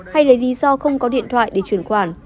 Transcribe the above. hay lấy lý do không có điện thoại để chuyển khoản